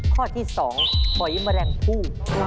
ข้อที่๒หอยแมลงผู้